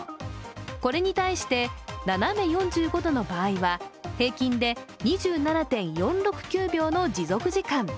これに対して斜め４５度の場合は平均で２７．４６９秒の持続時間。